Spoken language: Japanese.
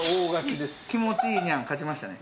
「気持ちいいニャン」勝ちましたね。